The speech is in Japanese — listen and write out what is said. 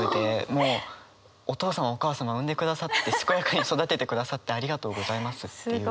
もうお父様お母様産んでくださって健やかに育ててくださってありがとうございますっていう。